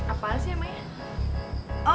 apaan sih emangnya